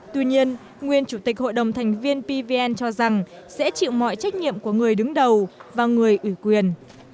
tuy nhiên nguyên chủ tịch hội đồng thành viên pvn cho rằng sẽ chịu mọi trách nhiệm của người đứng đầu và người ủy quyền